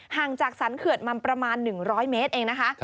ห่างจากสรรเขื่อนมาประมาณ๑๐๐เมตรเองนะคะ